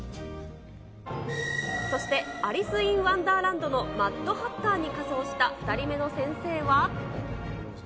そして、アリス・イン・ワンダーランドのマッドハッターに仮装した２人目の先生は。